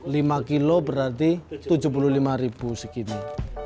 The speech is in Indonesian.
lima kilo berarti rp tujuh puluh lima segini